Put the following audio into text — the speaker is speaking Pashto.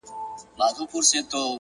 د حقیقت منل داخلي ازادي راولي